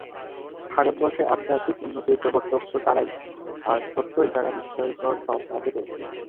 ভারতবর্ষে আধ্যাত্মিক উন্নতির প্রবর্তক তো তাঁরাই, আর সত্যই তাঁরা বিস্ময়কর সব কাজও করেছিলেন।